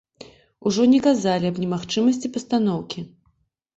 Ужо не казалі аб немагчымасці пастаноўкі.